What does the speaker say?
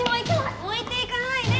おいていかないで！